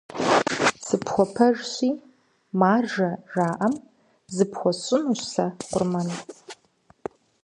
Сыпхуэпэжщи, «маржэ» жаӀэм, зыпхуэсщӀынущ сэ къурмэн.